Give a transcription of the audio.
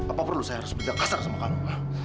apa perlu saya harus berjaga kasar sama kamu